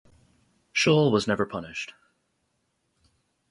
Shull was never punished.